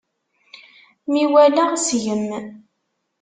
Mi waleɣ seg-m.